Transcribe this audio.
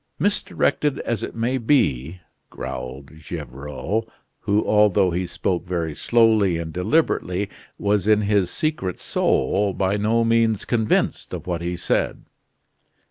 "Misdirected as it may be," growled Gevrol, who, although he spoke very slowly and deliberately, was in his secret soul by no means convinced of what he said.